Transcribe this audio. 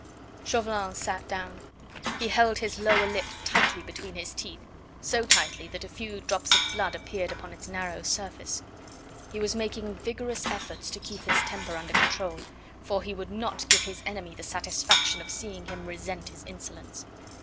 Chauvelin sat down. He held his lower lip tightly between his teeth, so tightly that a few drops of blood appeared upon its narrow surface. He was making vigorous efforts to keep his temper under control, for he would not give his enemy the satisfaction of seeing him resent his insolence.